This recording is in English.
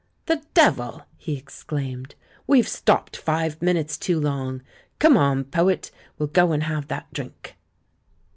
"The devil!" he exclaimed, "we've stopped five minutes too long. Come on, poet, we'll go and have that drink."